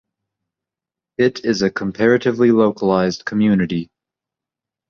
It is a comparatively localised community.